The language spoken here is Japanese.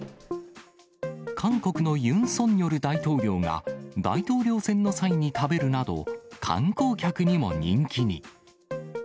韓国のユン・ソンニョル大統領が、大統領選の際に食べるなど、観光客にも人気に。